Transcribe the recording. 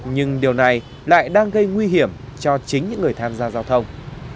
nhưng điều này lại đang gây nguy hiểm cho chính những người tham gia giao thông